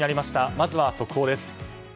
まずは速報です。